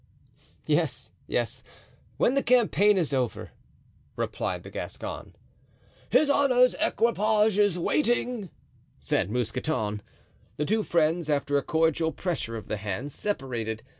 "Yes, yes, when the campaign is over," replied the Gascon. "His honor's equipage is waiting," said Mousqueton. The two friends, after a cordial pressure of the hands, separated.